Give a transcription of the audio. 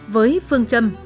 với phương trâm